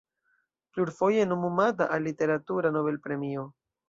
Plurfoje nomumata al literatura Nobel-premio.